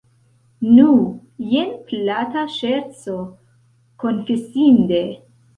Nu, jen plata ŝerco, konfesinde.